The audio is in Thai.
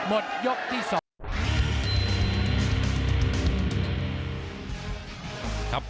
หมดยกที่สอง